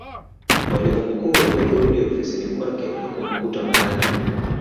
mwalimu mkuu aliporudi ofisini kwake hakumkuta malatwe